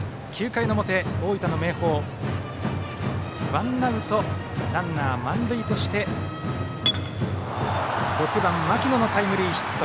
９回の表、大分の明豊ワンアウトランナー満塁で６番、牧野のタイムリーヒット。